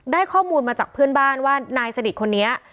ข้อมูลมาจากเพื่อนบ้านว่านายสนิทคนนี้